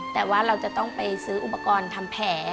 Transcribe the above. แต่ว่าเราจะต้องไปซื้ออุปกรณ์ทำแผล